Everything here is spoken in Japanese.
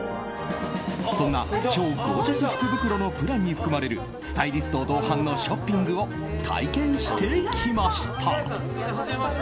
そんな超ゴージャス福袋のプランに含まれるスタイリスト同伴のショッピングを体験してきました。